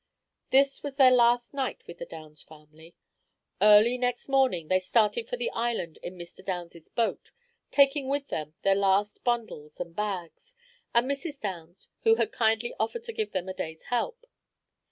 This was their last night with the Downs family. Early next morning they started for the island in Mr. Downs's boat, taking with them their last bundles and bags, and Mrs. Downs, who had kindly offered to give them a day's help.